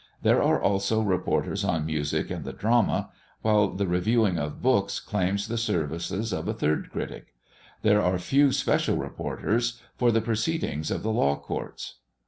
There are also reporters on music and the drama, while the reviewing of books claims the services of a third critic. There are few special reporters for the proceedings of the law courts.